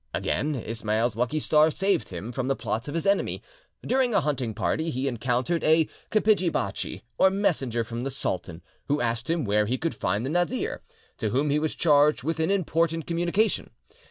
Again Ismail's lucky star saved him from the plots of his enemy. During a hunting party he encountered a kapidgi bachi, or messenger from the sultan, who asked him where he could find the Nazir, to whom he was charged with an important communication.